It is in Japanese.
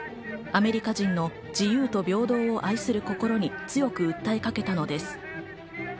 アメリカ人の自由と平等を愛する心に強く訴えかけたのです。